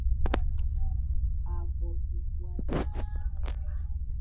A Bo bibuane.